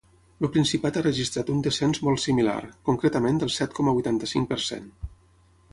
El Principat ha registrat un descens molt similar, concretament del set coma vuitanta-cinc per cent.